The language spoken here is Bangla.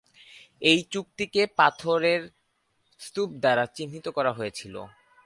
এই চুক্তিকে পাথরের স্তূপ দ্বারা চিহ্নিত করা হয়েছিল।